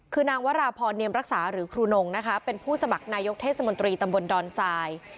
คือนางวราพรเนียมรักษาหรือครูนงนะคะเป็นผู้สมัครนายกเทศมนตรีตำบลดอนทราย